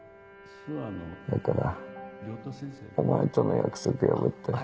だからお前との約束破って。